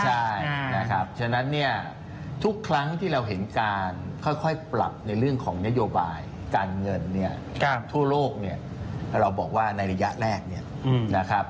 ใช่นะครับฉะนั้นเนี่ยทุกครั้งที่เราเห็นการค่อยปรับในเรื่องของนโยบายการเงินเนี่ยทั่วโลกเนี่ยเราบอกว่าในระยะแรกเนี่ยนะครับ